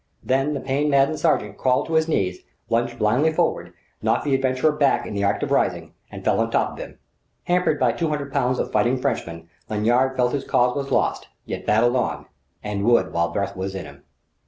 Then the pain maddened sergent crawled to his knees, lunged blindly forward, knocked the adventurer back in the act of rising, and fell on top of him. Hampered by two hundred pounds of fighting Frenchman, Lanyard felt his cause was lost, yet battled on and would while breath was in him.